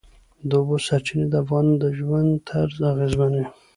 د اوبو سرچینې د افغانانو د ژوند طرز اغېزمنوي.